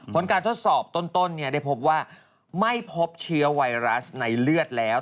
ผลการทดสอบต้นได้พบว่าไม่พบเชื้อไวรัสในเลือดแล้ว